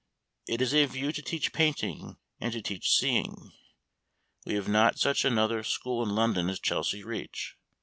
It is a view to teach painting, to teach seeing. We have not such another school in London as Chelsea Reach.